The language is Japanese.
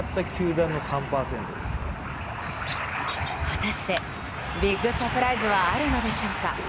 果たしてビッグサプライズはあるのでしょうか。